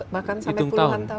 bahkan sampai puluhan tahun